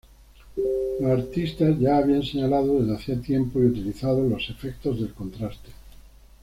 Los artistas ya habían señalado desde hacia tiempo y utilizado los efectos del contraste.